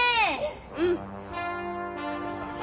うん。